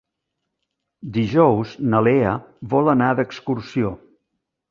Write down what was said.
Dijous na Lea vol anar d'excursió.